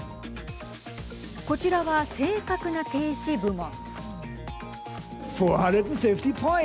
こちらは正確な停止部門。